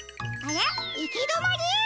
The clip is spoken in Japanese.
いきどまり？